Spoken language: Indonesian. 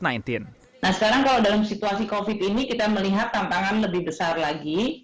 nah sekarang kalau dalam situasi covid ini kita melihat tantangan lebih besar lagi